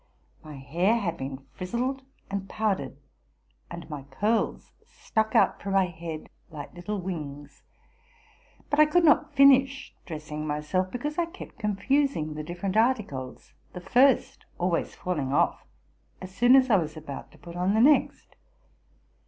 My hair had been frizzled and powdered, and my curls stuck out from my head like little wings ; but I could not finish dressing myself, because I kept confusing the different articles, the first always falling off as soon as I was about to put on the next.